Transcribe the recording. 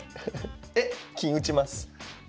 えっ⁉金打ちます。